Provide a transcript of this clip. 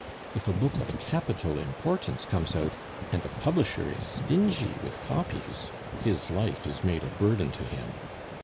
If a book of capital importance comes out, and the publisher is stingy with copies, his life is made a burden to him.